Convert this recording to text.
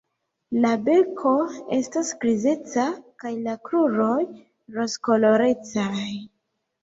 La beko estas grizeca kaj la kruroj rozkolorecaj.